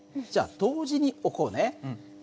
じゃあ同時に置こうね。